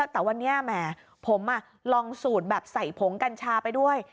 แต่วันนี้แหมผมลองสูตรแบบใส่ผงกัญชาไปด้วย